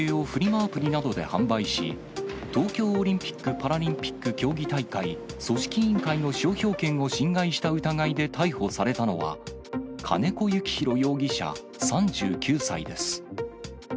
アプリなどで販売し、東京オリンピック・パラリンピック競技大会組織委員会の商標権を侵害した疑いで逮捕されたのは、金子幸広容疑者３９歳です。